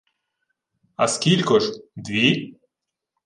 — А скілько ж? Дві?!